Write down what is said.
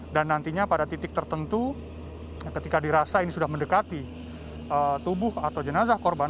dan nantinya pada titik tertentu ketika dirasa ini sudah mendekati tubuh atau jenazah korban